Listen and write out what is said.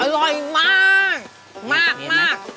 อร่อยมาก